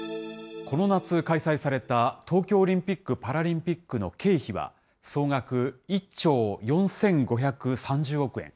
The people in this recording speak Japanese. この夏開催された、東京オリンピック・パラリンピックの経費は、総額１兆４５３０億円。